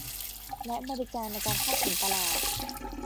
และบริการในการเข้าถึงตลาด